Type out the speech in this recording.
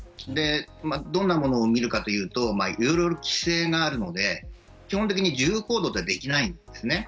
どんなものを見るかというといろいろと規制があるので基本的に自由行動はできないんですね。